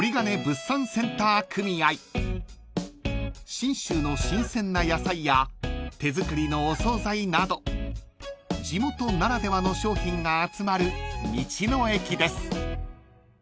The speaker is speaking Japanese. ［信州の新鮮な野菜や手作りのお総菜など地元ならではの商品が集まる道の駅です］